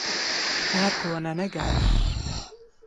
Pērkona negaiss.